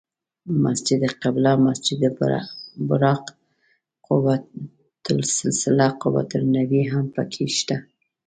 مسجد قبله، مسجد براق، قبة السلسله، قبة النبی هم په کې شته.